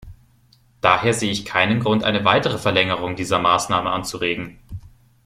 Daher sehe ich keinen Grund, eine weitere Verlängerung dieser Maßnahme anzuregen.